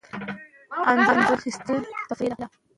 د محلي کلتور د جوتولو لپاره د مطالعې کتابونه موجود دي.